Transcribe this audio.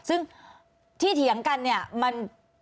ซึ่งที่เถียงกันเนี่ยมัน